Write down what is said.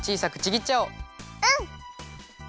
うん！